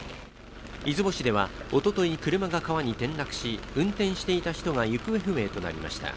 出雲市ではおととい、車が川に転落し運転していた人が行方不明となりました。